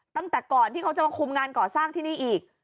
ตั้งแต่ก่อนที่เขาจะมาคุมงานก่อสร้างที่นี่อีก